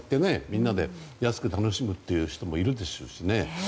みんなで安く楽しむという人もいるでしょうしね。